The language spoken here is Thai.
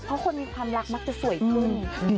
เพราะคนมีความรักมักจะสวยขึ้น